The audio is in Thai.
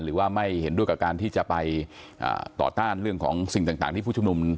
หรือว่าไม่เห็นด้วยกับการที่จะไปต่อต้านเรื่องของสิ่งต่างที่ผู้ชุมนุม